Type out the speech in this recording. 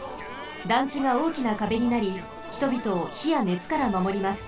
団地がおおきなかべになり人びとをひやねつからまもります。